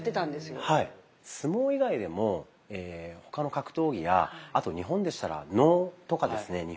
相撲以外でも他の格闘技やあと日本でしたら能とかですね